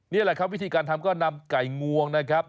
นี่แหละครับวิธีการทำก็นำไก่งวงนะครับ